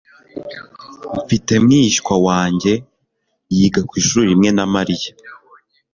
mfite mwishywa wanjye. yiga ku ishuri rimwe na mariya